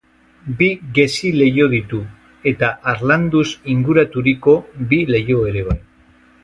Bi gezi-leiho ditu, eta harlanduz inguraturiko bi leiho ere bai.